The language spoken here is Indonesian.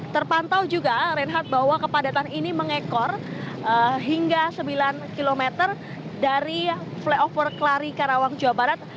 terpantau juga reinhardt bahwa kepadatan ini mengekor hingga sembilan km dari flyover klari karawang jawa barat